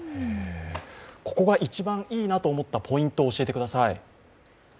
ここが一番いいなと思ったポイントを教えてください。